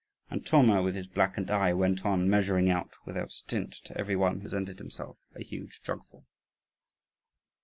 And Thoma, with his blackened eye, went on measuring out without stint, to every one who presented himself, a huge jugful.